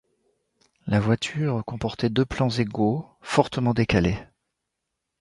La voilure comportait deux plans égaux, fortement décalés.